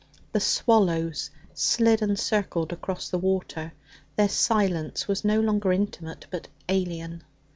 The swallows slid and circled across the water; their silence was no longer intimate, but alien.